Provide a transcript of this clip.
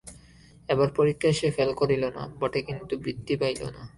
এবার পরীক্ষায় সে ফেল করিল না বটে কিন্তু বৃত্তি পাইল না।